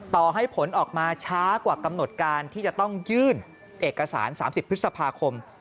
ต่อให้ผลออกมาช้ากว่ากำหนดการที่จะต้องยื่นเอกสาร๓๐พฤษภาคม